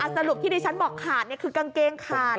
สรุปที่ดิฉันบอกขาดคือกางเกงขาด